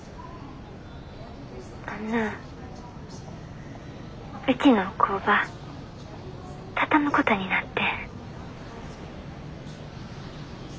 あんなうちの工場畳むことになってん。